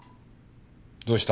どうした？